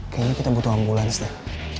kayaknya kita butuh ambulans dah